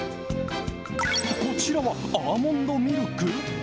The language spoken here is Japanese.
こちらはアーモンドミルク？